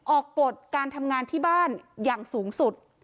กฎการทำงานที่บ้านอย่างสูงสุด